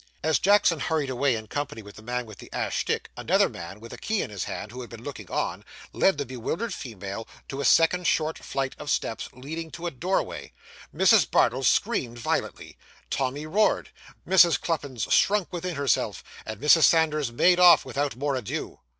As Jackson hurried away in company with the man with the ash stick another man, with a key in his hand, who had been looking on, led the bewildered female to a second short flight of steps leading to a doorway. Mrs. Bardell screamed violently; Tommy roared; Mrs. Cluppins shrunk within herself; and Mrs. Sanders made off, without more ado.